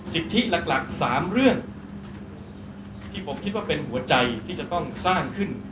สิทธิหลัก๓เรื่องที่ผมคิดว่าเป็นหัวใจที่จะต้องสร้างขึ้น